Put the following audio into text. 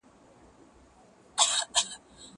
دا پاکوالي له هغه منظمه ده!؟